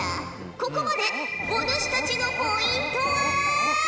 ここまでお主たちのポイントは。